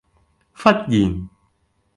忽然